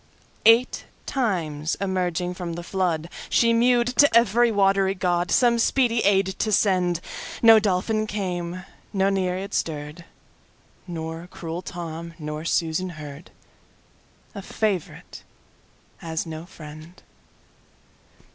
Eight times emerging from the floodShe mew'd to every watery GodSome speedy aid to send:—No Dolphin came, no Nereid stirr'd. Nor cruel Tom nor Susan heard—A favourite has no friend!